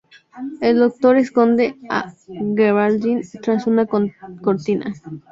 El Doctor esconde a Geraldine tras una cortina.